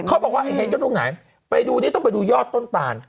เขาบอกว่าเห็นกันตรงไหนไปดูนี่ต้องไปดูยอดต้นตาล